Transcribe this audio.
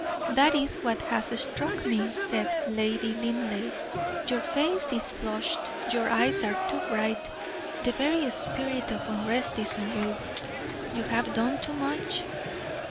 "That is what has struck me," said Lady Linleigh. "Your face is flushed, your eyes are too bright; the very spirit of unrest is on you. You have done too much.